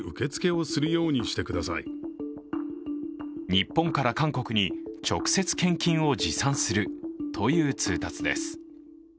日本から韓国に直接、献金を持参するという通達です。